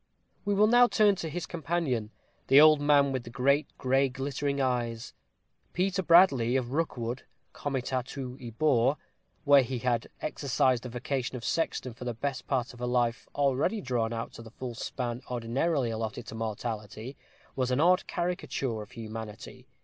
We will now turn to his companion, the old man with the great gray glittering eyes. Peter Bradley, of Rookwood comitatû Ebor , where he had exercised the vocation of sexton for the best part of a life already drawn out to the full span ordinarily allotted to mortality, was an odd caricature of humanity.